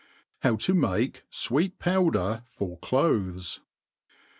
How to make Sweet Powder for Clothes.